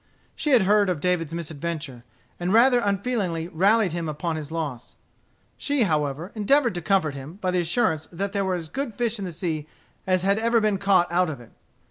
She had heard of David's misadventure, and rather unfeelingly rallied him upon his loss. She however endeavored to comfort him by the assurance that there were as good fish in the sea as had ever been caught out of it.